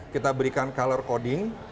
kita berikan color coding